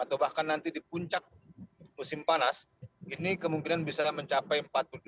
atau bahkan nanti di puncak musim panas ini kemungkinan bisa mencapai empat puluh delapan